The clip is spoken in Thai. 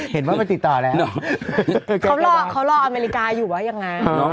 เห็นว่าเขาติดต่อแล้วเขาลอกอเมริกาอยู่ว่ะอย่างนั้น